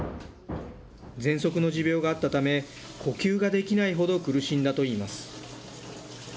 ぜんそくの持病があったため、呼吸ができないほど苦しんだといいます。